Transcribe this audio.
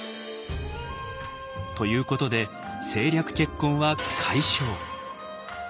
ということで政略結婚は解消。